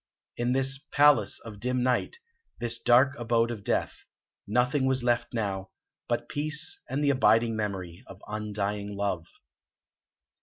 In this "palace of dim night," this dark abode of death, nothing was left now but peace and the abiding memory of undying love.